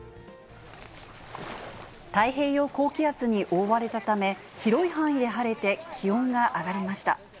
太平洋高気圧に覆われたため、広い範囲で晴れて、気温が上がりました。